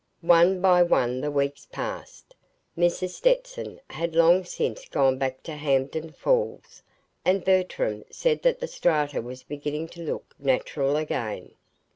One by one the weeks passed. Mrs. Stetson had long since gone back to Hampden Falls; and Bertram said that the Strata was beginning to look natural again.